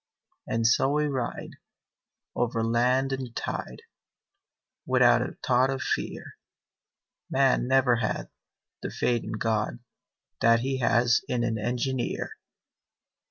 And so we ride Over land and tide, Without a thought of fear _Man never had The faith in God That he has in an engineer!